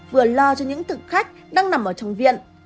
vừa lo cho những thực khách đang nằm ở trong viện